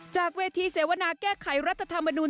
จากเวทีเสวนาแก้ไขรัฐธรรมนูล